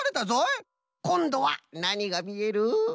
こんどはなにがみえる？